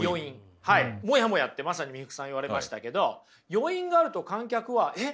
モヤモヤってまさに三福さん言われましたけど余韻があると観客は「え？